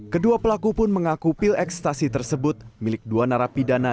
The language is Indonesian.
kedua pelaku pun mengaku pil ekstasi tersebut milik dua narapidana